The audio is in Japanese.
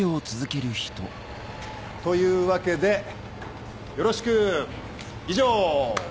というわけでよろしく以上。